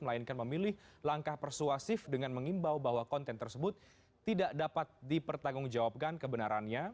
melainkan memilih langkah persuasif dengan mengimbau bahwa konten tersebut tidak dapat dipertanggungjawabkan kebenarannya